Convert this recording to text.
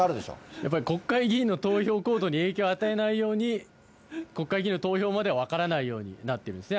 やっぱり国会議員の投票行動に影響を与えないように、国会議員の投票までは分からないようになっているんですね。